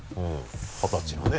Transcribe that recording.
二十歳のね。